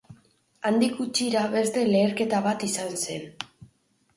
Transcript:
Handik gutxira, beste leherketa bat izan zen.